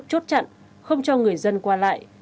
chốt chặn không cho người dân qua lại